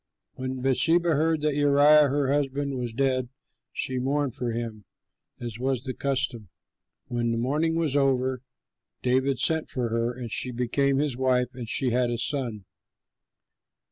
When Bathsheba heard that Uriah her husband was dead, she mourned for him as was the custom. When the mourning was over, David sent for her, and she became his wife and she had a son.